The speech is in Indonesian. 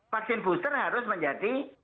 vaksin booster harus menjadi